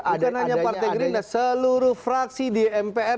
bukan hanya partai gerindra seluruh fraksi di mpr